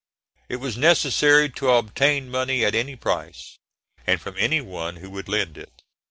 It was necessary to obtain money at any price, and from any one who would lend it.